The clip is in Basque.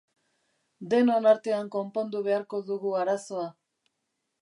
Denon artean konpondu beharko dugu arazoa.